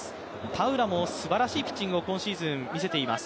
田浦もすばらしいピッチングを今シーズン見せています。